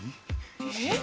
えっ？